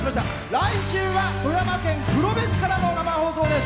来週は富山県黒部市からの生放送です。